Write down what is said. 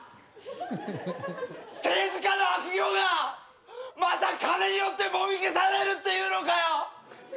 政治家の悪行がまた金によってもみ消されるっていうのかよ！